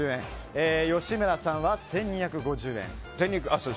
吉村さんは、１２５０円。